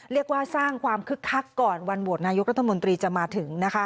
เรียกว่าสร้างความคึกคักก่อนวันโหวตนายกรัฐมนตรีจะมาถึง